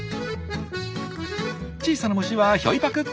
小さな虫はヒョイパク！